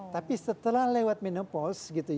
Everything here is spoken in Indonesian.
tapi setelah lewat menopaus